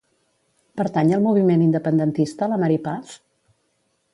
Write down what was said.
Pertany al moviment independentista la Mari Paz?